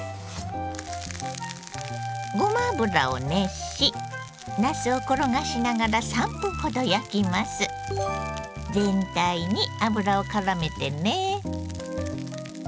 ごま油を熱しなすを転がしながら全体に油をからめてね。